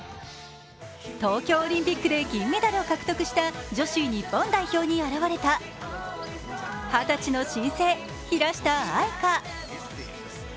東京オリンピックで銀メダルを獲得した女子日本代表に現れた二十歳の新星・平下愛佳。